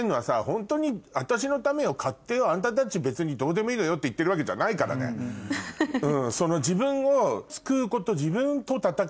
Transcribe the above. ホントに私のためよ買ってよあんたたち別にどうでもいいのよって言ってるわけじゃないからね。っていうのが。